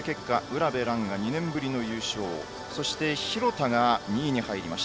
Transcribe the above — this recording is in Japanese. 卜部蘭が２年ぶりの優勝です。